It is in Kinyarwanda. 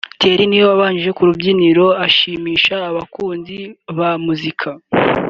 Thieerry niwe wabanje ku rubyiniro ashimisha abakunzi ba muzika